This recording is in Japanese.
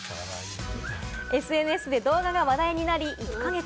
ＳＮＳで動画が話題になり１か月。